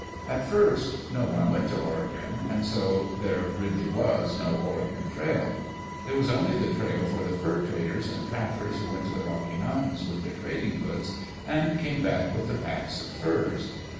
At first no one went to Oregon, and so there really was no "Oregon trail.'* There was only the trail for the fur traders and trappers who went to the Rocky Mountains with their trading goods and came back with the packs of furs.